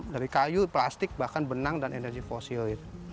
dari kayu plastik bahkan benang dan energi fosil